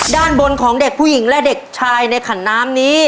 ด้านบนของเด็กผู้หญิงและเด็กชายในขันน้ำนี้